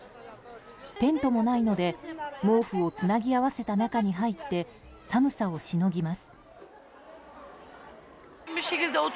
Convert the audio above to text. テントもないので毛布をつなぎ合わせた中に入って寒さをしのぎます。